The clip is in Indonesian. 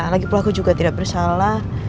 lagipula aku juga tidak bersalah